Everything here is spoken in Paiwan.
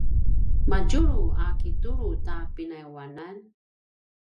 madjulu a kitulu ta pinayuanan?